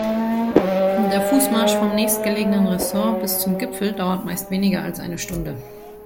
Der Fußmarsch vom nächstgelegenen Resort bis zum Gipfel dauert meist weniger als eine Stunde.